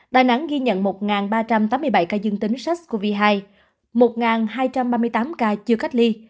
đà nẵng ghi nhận một ba trăm tám mươi bảy ca dương tính sars cov hai một hai trăm ba mươi tám ca chưa cách ly